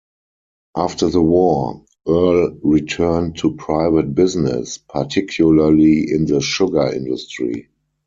After the war, Earle returned to private business, particularly in the sugar industry.